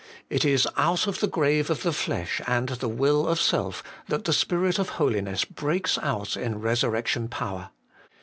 It is out of the grave of the flesh and the will of self that the Spirit of holiness breaks out in resur rection power.